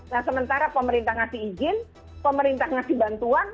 nah sementara pemerintah ngasih izin pemerintah ngasih bantuan